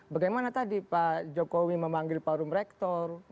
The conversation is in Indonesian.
bagaimana tadi pak jokowi memanggil forum rektor